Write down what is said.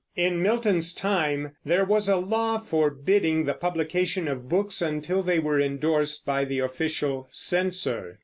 In Milton's time there was a law forbidding the publication of books until they were indorsed by the official censor.